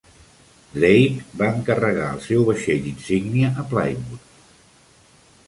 Drake va encarregar el seu vaixell insígnia a Plymouth.